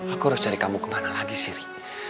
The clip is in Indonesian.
aku harus cari kamu kemana lagi siri